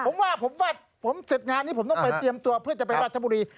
ผมว่าผมว่าผมเสร็จงานนี้ผมต้องไปเตรียมตัวเพื่อจะไปราชบุรี